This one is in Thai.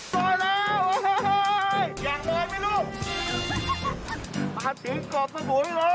ปล่อยแล้วอยากปล่อยมั้ยลูก